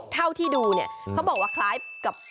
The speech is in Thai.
เท่าที่ดูเนี่ยเขาบอกว่าคล้ายกับ